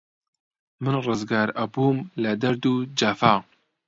من ڕزگار ئەبووم لە دەرد و جەفا